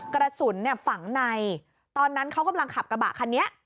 กระสุนฝังในตอนนั้นเขากำลังขับกระบะคันนี้